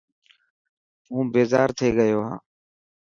هون بيزار ٿي گيو هان.